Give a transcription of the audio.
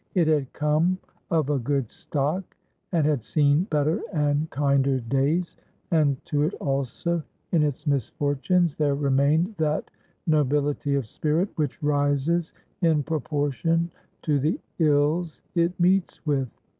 It had "come of a good stock," and had seen better and kinder days; and to it, also, in its misfortunes, there remained that nobility of spirit which rises in proportion to the ills it meets with.